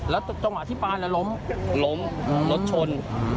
แล้วจังหวะที่ปลาลมลมรถชน